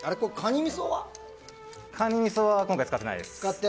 みそは今回使ってないです。